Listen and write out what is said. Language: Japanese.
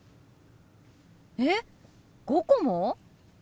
えっ５個も？